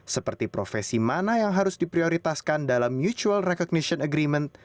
seperti profesi mana yang harus diprioritaskan dalam mutual recognition agreement